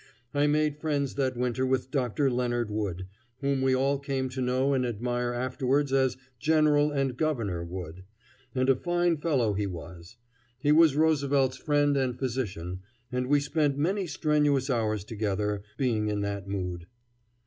I made friends that winter with Dr. Leonard Wood, whom we all came to know and admire afterwards as General and Governor Wood; and a fine fellow he was. He was Roosevelt's friend and physician, and we spent many strenuous hours together, being in that mood.